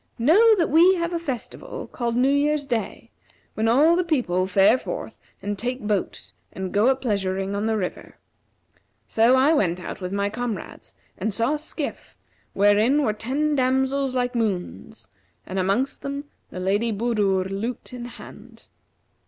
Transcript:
Know that we have a festival called New Year's day,[FN#348] when all the people fare forth and take boat and go a pleasuring on the river. So I went out with my comrades, and saw a skiff, wherein were ten damsels like moons and amongst them, the Lady Budur lute in hand.